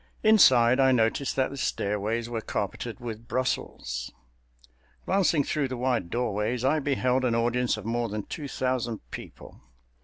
Inside, I noticed that the stairways were carpeted with Brussels. Glancing through the wide doorways, I beheld an audience of more than two thousand people.